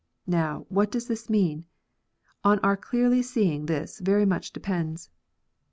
Now, what does this mean? On our clearly seeing this very much depends.